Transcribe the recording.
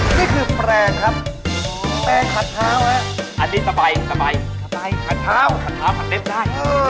นี่คือแปลงครับแปลงขัดเท้าอันนี้สบายขัดเท้าขัดเท้าผัดเล็บได้